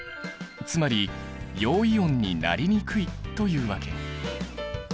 つまり陽イオンになりにくいというわけ。